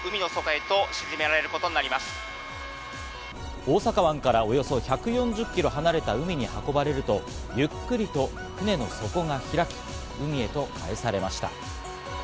大阪湾からおよそ１４０キロ離れた海に運ばれると、ゆっくりと船の底が開き、海へとかえされました。